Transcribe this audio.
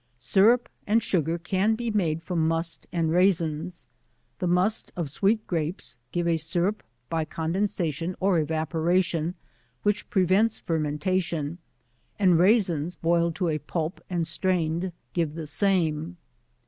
Syrup and sugar can be made from Must and raisins. The Must of sweet Grapes give a syrup by condensation or evaporation, which prevents fermentation j and raisins boiled to a pulp and strained give the same.